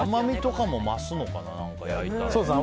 甘みとかも増すのかな焼いたら。